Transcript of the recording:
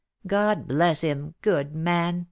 God bless him, good man !"